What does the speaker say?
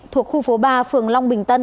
thuộc khu phố ba phường long bình tân